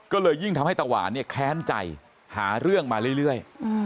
ก็เลยยิ่งทำให้ตะหวานเนี่ยแค้นใจหาเรื่องมาเรื่อย